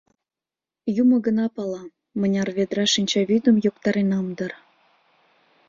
Юмо гына пала, мыняр ведра шинчавӱдым йоктаренам дыр.